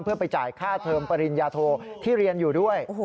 เพื่อไปจ่ายค่าเทอมปริญญาโทที่เรียนอยู่ด้วย